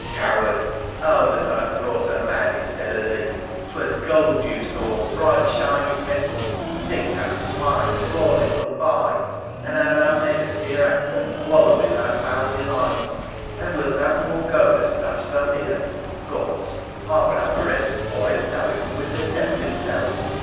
coward ! Oh, that I had brought a man instead of thee ! 'Twas gold you saw — bright shining metal — think, thou swine, of all it will buy, and how thou may'st hereafter wallow in thy foul delights ! And wilt thou forego the stuff so near ? Gods ! I would have a wrestle for it though it were with the devil himself